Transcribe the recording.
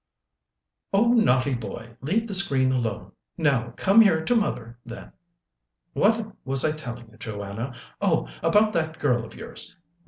"Oh, naughty boy, leave the screen alone. Now, come here to mother, then. What was I telling you, Joanna? Oh, about that girl of yours.